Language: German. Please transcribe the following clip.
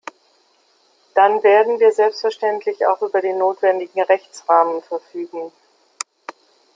Dann werden wir selbstverständlich auch über den notwendigen Rechtsrahmen verfügen.